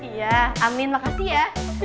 iya amin makasih ya